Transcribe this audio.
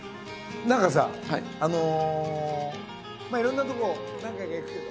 何かさいろんなとこ何回か行くけど。